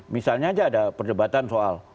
misalnya aja ada perdebatan soal